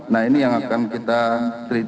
nah ini yang akan kita kriteri